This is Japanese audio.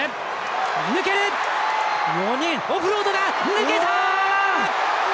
抜けた！